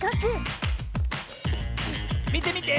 みてみて！